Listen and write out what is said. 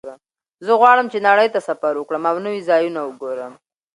زه غواړم چې نړۍ ته سفر وکړم او نوي ځایونه وګورم